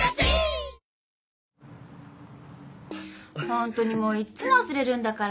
ホントにもういっつも忘れるんだから。